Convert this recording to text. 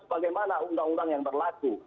sebagaimana undang undang yang berlaku